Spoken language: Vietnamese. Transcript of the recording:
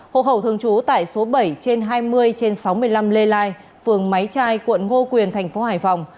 hộ khẩu thường trú tại số bảy trên hai mươi trên sáu mươi năm lê lai phường máy trai quận ngô quyền thành phố hải phòng